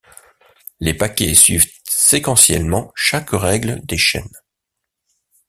Les paquets suivent séquentiellement chaque règle des chaînes.